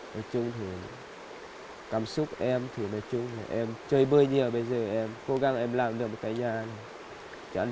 nói chung thì cảm xúc em thử nói chung là em chơi bơi nhiều bây giờ em cố gắng em làm được một cái nhà